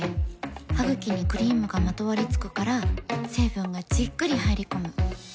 ハグキにクリームがまとわりつくから成分がじっくり入り込む。